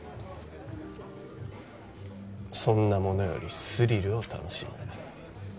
そんなものよりスリルを楽しむ。